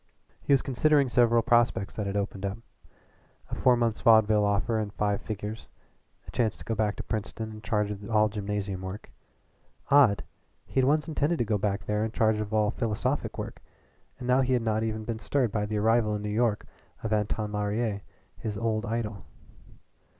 He was considering several prospects that had opened up, a four months' vaudeville offer in five figures, a chance to go back to Princeton in charge of all gymnasium work. Odd! He had once intended to go back there in charge of all philosophic work, and now he had not even been stirred by the arrival in New York of Anton Laurier, his old idol.